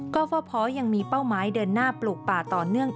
ก็ฟพยังมีเป้าหมายเดินหน้าปลูกป่าต่อเนื่อง